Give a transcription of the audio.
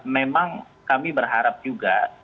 memang kami berharap juga